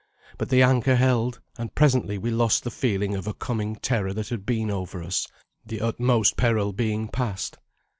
But the anchor held, and presently we lost the feeling of a coming terror that had been over us, the utmost peril being past.